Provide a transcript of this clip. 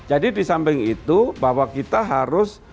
jadi di samping itu bahwa kita harus